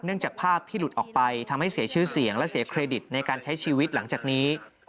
จากภาพที่หลุดออกไปทำให้เสียชื่อเสียงและเสียเครดิตในการใช้ชีวิตหลังจากนี้